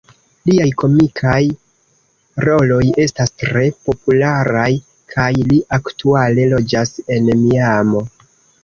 Liaj komikaj roloj estas tre popularaj, kaj li aktuale loĝas en Miamo.